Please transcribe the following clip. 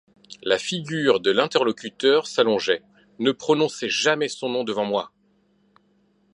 la figure de l’interlocuteur s’allongeait :« Ne prononcez jamais son nom devant moi !